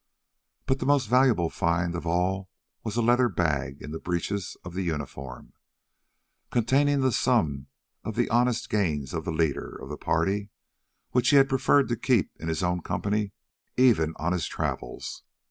But the most valuable find of all was a leather bag in the breeches of the uniform, containing the sum of the honest gains of the leader of the party, which he had preferred to keep in his own company even on his travels.